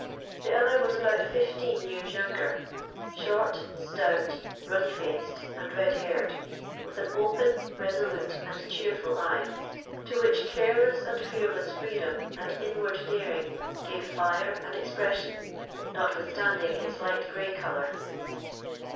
The other was about fifteen years younger, short, stout, ruddy faced, and red haired, with an open, resolute, and cheerful eye, to which careless and fearless freedom and inward daring gave fire and expression, notwithstanding its light grey colour.